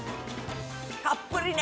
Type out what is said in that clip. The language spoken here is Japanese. たっぷりね！